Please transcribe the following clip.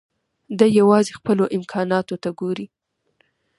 دی يوازې خپلو امکاناتو ته ګوري.